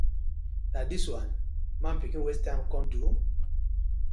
Na dis one man pikin waste time kom do?